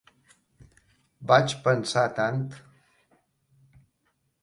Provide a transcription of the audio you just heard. Vaig pensar tant.